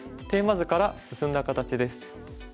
テーマ図から進んだ形です。